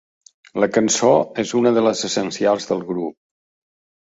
La cançó és una de les essencials del grup.